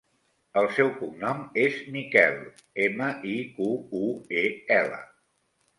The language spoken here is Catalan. El seu cognom és Miquel: ema, i, cu, u, e, ela.